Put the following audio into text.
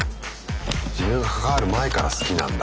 自分が関わる前から好きなんだ。